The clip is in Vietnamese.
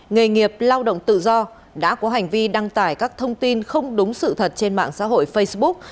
nghề nghiệp lao động tự do đã có hành vi đăng tải các thông tin không đúng sự thật trên mạng xã hội facebook